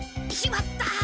しまった！